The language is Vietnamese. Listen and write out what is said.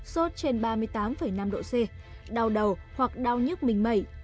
sốt trên ba mươi tám năm độ c đau đầu hoặc đau nhức mình mẩy